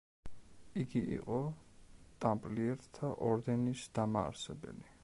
იგი იყო „ტამპლიერთა ორდენის“ დამაარსებელი.